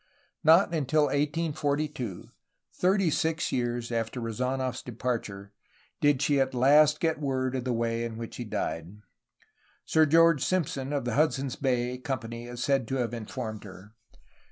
Not until 1842, thirty six years after Rezdnof's departure, did she at last get word of the way in which he died. Sir George Simpson of the Hudson's Bay Com pany is said to have informed her.